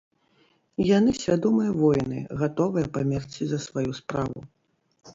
Яны свядомыя воіны, гатовыя памерці за сваю справу.